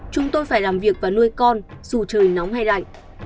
chúng tôi phải làm việc và nuôi con dù trời nóng hay lạnh